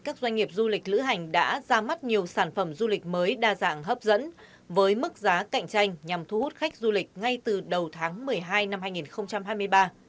các doanh nghiệp du lịch lữ hành đã ra mắt nhiều sản phẩm du lịch mới đa dạng hấp dẫn với mức giá cạnh tranh nhằm thu hút khách du lịch ngay từ đầu tháng một mươi hai năm hai nghìn hai mươi ba